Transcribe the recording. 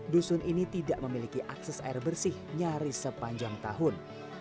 dusun ini tidak memiliki akses air bersih nyaris sepanjang tahun